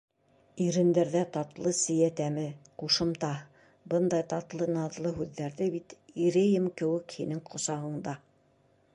Ирендәрҙә — татлы сейә тәме, Ҡушымта: Бындай татлы, наҙлы һүҙҙәрҙе бит Ирейем кеүек һинең ҡосағыңда.